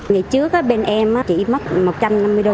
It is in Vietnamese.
ngày trước bên em chỉ mất một trăm năm mươi đô